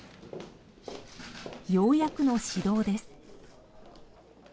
ようやくの始動です。